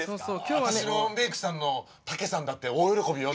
私のメークさんのたけさんだって大喜びよ。